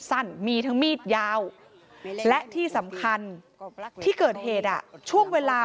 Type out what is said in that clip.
สั้นมีทั้งมีดยาวและที่สำคัญที่เกิดเหตุช่วงเวลา